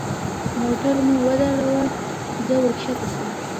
موټر مو ودراوه زه ورکښته سوم.